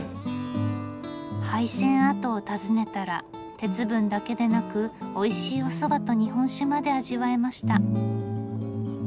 廃線跡を訪ねたら鉄分だけでなくおいしいおそばと日本酒まで味わえました。